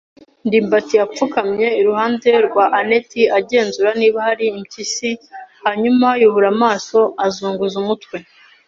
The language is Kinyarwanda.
ndimbati yapfukamye iruhande rwa anet, agenzura niba hari impiswi, hanyuma yubura amaso, azunguza umutwe.